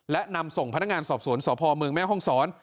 และนำส่งพนักงานสอบสวนสพเมืองแม่ห้องศร